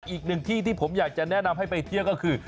อีกหนึ่งที่ที่ผมอยากจะแนะนำให้ไปเที่ยวก็คือ